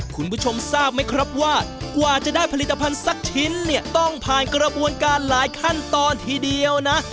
คุณผู้ชมทราบไหมครับว่ากว่าจะได้ผลิตภัณฑ์สักชิ้นเนี่ยต้องผ่านกระบวนการหลายขั้นตอนทีเดียวนะ